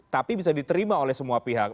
tapi bisa diterima oleh semua pihak